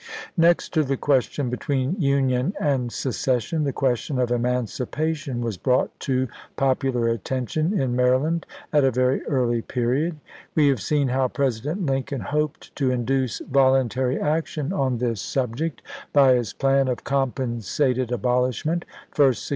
Next to the question between union and seces sion, the question of emancipation was brought to popular attention in Maryland at a very early period. We have seen how President Lincoln hoped to induce volimtary action on this subject MAEYLAND FREE 451 by his plan of compensated abolishment, first sug ch vp.